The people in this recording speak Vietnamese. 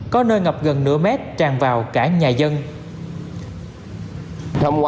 có nơi ngập gần nửa mét tràn vào cả nhà dân